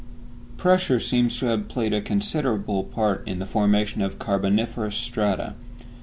Pressure seems to have played a considerable part in the formation of carboniferous strata.